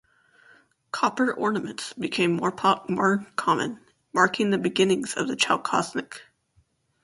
Copper ornaments became more common, marking the beginning of the Chalcolithic.